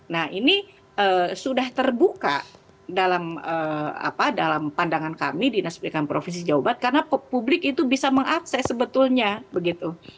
nah ini sudah terbuka dalam pandangan kami dinas pendidikan provinsi jawa barat karena publik itu bisa mengakses sebetulnya begitu